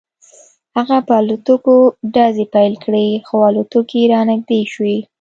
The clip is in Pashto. هغه په الوتکو ډزې پیل کړې خو الوتکې رانږدې شوې